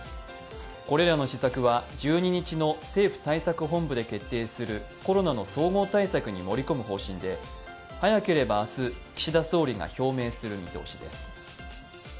これらの施策は１２日の政府対策本部で決定するコロナの総合対策に盛り込む方針で早ければ明日、岸田総理が表明する見通しです。